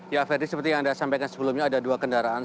ya ferdi seperti yang anda sampaikan sebelumnya ada dua kendaraan